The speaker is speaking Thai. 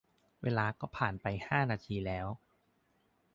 เวลาก็ผ่านไปห้านาทีแล้ว